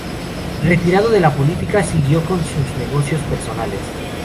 Retirado de la política, siguió con sus negocios personales.